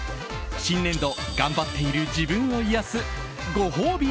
新年度頑張っている自分を癒やすご褒美